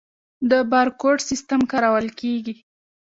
د بارکوډ سیستم کارول کیږي؟